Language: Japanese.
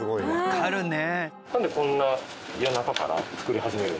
わかるね。